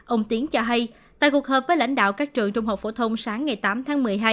ông tiến cho hay tại cuộc họp với lãnh đạo các trường trung học phổ thông sáng ngày tám tháng một mươi hai